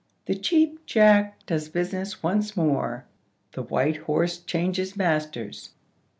—THE CHEAP JACK DOES BUSINESS ONCE MORE.—THE WHITE HORSE CHANGES MASTERS.